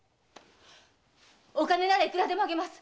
お金ならいくらでもあげます！